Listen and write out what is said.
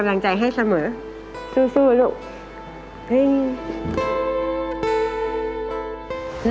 หนูบางทีก็ได้ได้เห็น